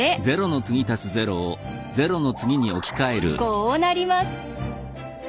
こうなります。